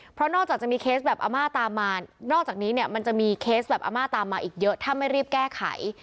เพราะนอกจากจะมีเคสแบบอาม่าตามมานอกจากนี้เนี่ยมันจะมีเคสแบบอาม่าตามมาอีกเยอะถ้าไม่รีบแก้ไข